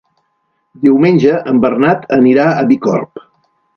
Diumenge en Bernat anirà a Bicorb.